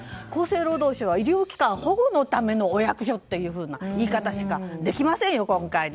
厚生労働省は医療機関保護のためのお役所という言い方しかできませんよ